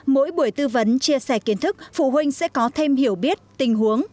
mỗi buổi tư vấn chia sẻ kiến thức phụ huynh sẽ có thêm hiểu biết tình huống